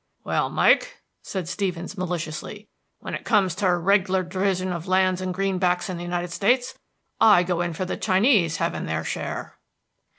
"Well, Mike," said Stevens maliciously, "when it comes to a reg'lar division of lands and greenbacks in the United States, I go in for the Chinese having their share."